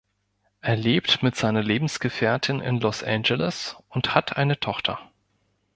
Er lebt mit seiner Lebensgefährtin in Los Angeles und hat eine Tochter.